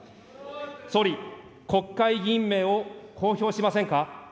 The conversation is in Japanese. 総理、国会議員名を公表しませんか。